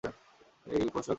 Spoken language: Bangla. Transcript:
এই পোশাক পরলে কী সমস্যা?